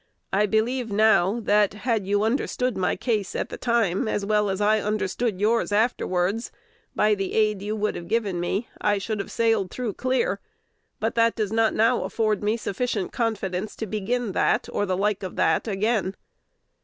I believe now, that, had you understood my case at the time as well as I understood yours afterwards, by the aid you would have given me I should have sailed through clear; but that does not now afford me sufficient confidence to begin that or the like of that again.